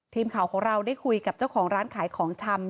ทีมข่าวของเราได้คุยกับเจ้าของร้านขายของชำ